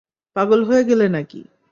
পাগল হয়ে গেলে নাকি?